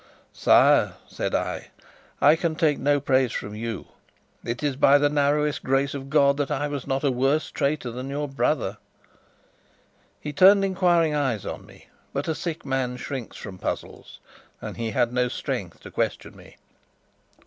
"Sire," said I. "I can take no praise from you. It is by the narrowest grace of God that I was not a worse traitor than your brother." He turned inquiring eyes on me; but a sick man shrinks from puzzles, and he had no strength to question me.